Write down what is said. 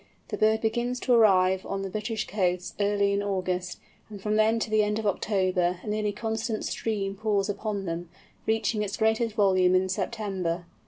The bird begins to arrive on the British coasts early in August, and from then to the end of October a nearly constant stream pours upon them, reaching its greatest volume in September.